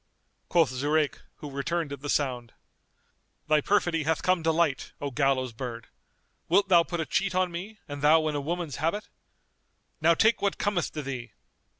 Quoth Zurayk, who returned at the sound, "Thy perfidy hath come to light, O gallows bird! Wilt thou put a cheat on me and thou in a woman's habit? Now take what cometh to thee!"